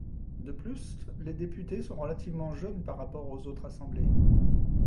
De plus, les députés sont relativement jeunes par rapport aux autres assemblées.